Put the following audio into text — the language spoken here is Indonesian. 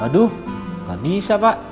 aduh gak bisa pak